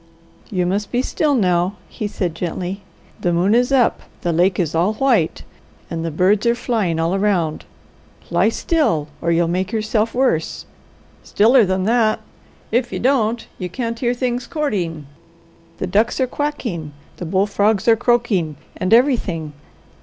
"You must be still now," he said gently. "The moon is up, the lake is all white, and the birds are flying all around. Lie still or you'll make yourself worse. Stiller than that! If you don't you can't hear things courting. The ducks are quacking, the bull frogs are croaking, and everything.